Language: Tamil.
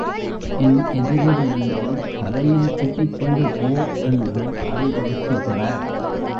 என் எதிரில் நின்று தலையில் குட்டிக் கொண்டு போ என்று அறிவுறுத்துகிறார்.